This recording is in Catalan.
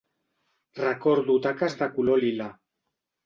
Recordo taques de color lila.